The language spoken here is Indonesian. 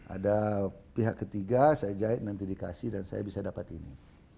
ada pihak ketiga saya jahit nanti dikasih dan saya bisa dapat ini